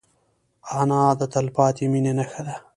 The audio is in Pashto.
انا د تلپاتې مینې نښه ده